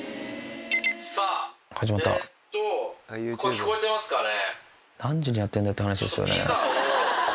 聞こえてますかね？